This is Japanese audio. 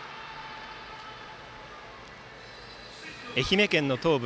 愛媛県の東部